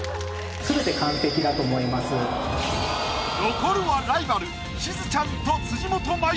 残るはライバルしずちゃんと辻元舞。